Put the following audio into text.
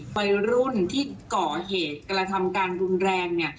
วัยรุ่นที่ก่อเหตุกระทำการรุนแรง